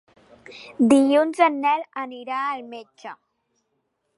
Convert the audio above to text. Dilluns en Nel anirà al metge.